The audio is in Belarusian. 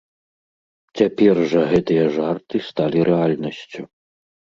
Цяпер жа гэтыя жарты сталі рэальнасцю.